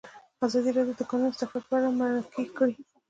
ازادي راډیو د د کانونو استخراج اړوند مرکې کړي.